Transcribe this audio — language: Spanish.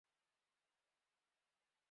Los burros varían considerablemente de tamaño.